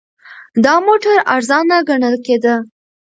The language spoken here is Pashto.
دا موټر ارزانه ګڼل کېده.